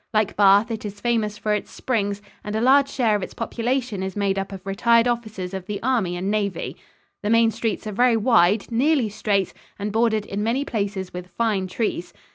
Like Bath, it is famous for its springs, and a large share of its population is made up of retired officers of the army and navy. The main streets are very wide, nearly straight, and bordered in many places with fine trees.